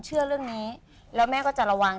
เชื่อเรื่องนี้แล้วแม่ก็จะระวัง